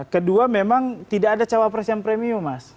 kedua memang tidak ada cawapres yang premium mas